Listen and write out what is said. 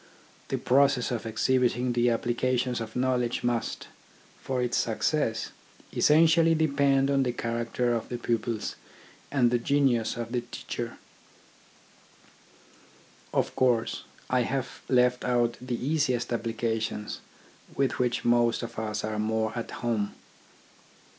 The process of exhibiting the applica tions of knowledge must, for its success, essen tially depend on the character of the pupils and the genius of the teacher. Of course I have left out the easiest applications with which most of us are more at home.